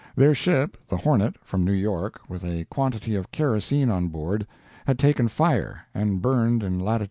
Their ship, the Hornet, from New York, with a quantity of kerosene on board, had taken fire and burned in lat.